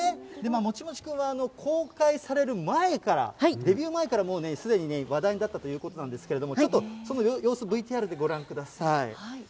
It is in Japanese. もちもちくんは公開される前から、デビュー前から、もうすでに話題になったということなんですけれども、ちょっとその様子、ＶＴＲでご覧ください。